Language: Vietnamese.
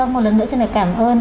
một lần nữa xin cảm ơn